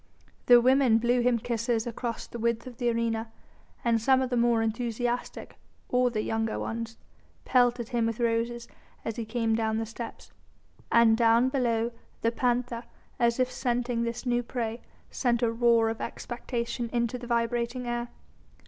The women blew him kisses across the width of the arena, and some of the more enthusiastic or the younger ones pelted him with roses as he came down the steps. And down below the panther, as if scenting this new prey, sent a roar of expectation into the vibrating air.